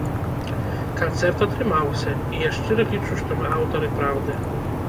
Канцэрт атрымаўся, і я шчыра лічу, што мы аўтары праўды.